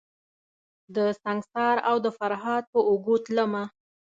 دسنګسار اودفریاد په اوږو تلمه